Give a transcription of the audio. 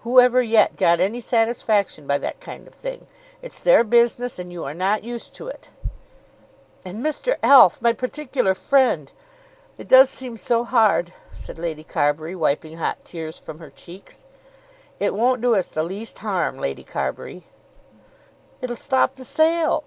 Who ever yet got any satisfaction by that kind of thing? It's their business, and you are not used to it." "And Mr. Alf is my particular friend! It does seem so hard," said Lady Carbury, wiping hot tears from her cheeks. "It won't do us the least harm, Lady Carbury." "It'll stop the sale?"